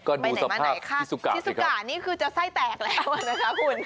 ก็ดูสภาพชิสุกะค่ะชิสุกะนี่คือจะไส้แตกแล้วนะคะคุณ